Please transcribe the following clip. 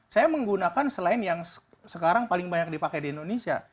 saya menggunakan selain yang sekarang paling banyak dipakai di indonesia